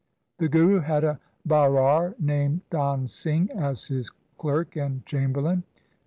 The Guru had a Bairar named Dan Singh as his clerk and chamberlain.